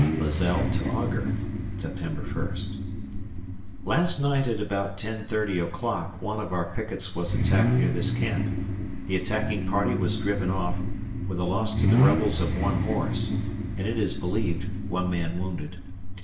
[Lazelle to Augur] September 1st. Last night at about 10.30 o'clock one of our pickets was attacked near this camp; the attacking party was driven off, with a loss to the rebels of one horse, and it is believed one man wounded.